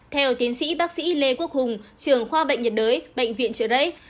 theo tiến sĩ bác sĩ lê quốc hùng trường khoa bệnh nhiệt đới bệnh viện trời rấy